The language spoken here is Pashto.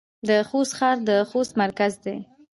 د خوست ښار د خوست مرکز دی